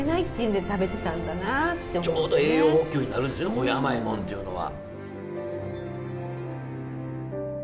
こういう甘いもんというのは。